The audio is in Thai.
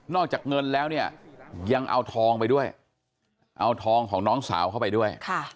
อกจากเงินแล้วเนี่ยยังเอาทองไปด้วยเอาทองของน้องสาวเข้าไปด้วย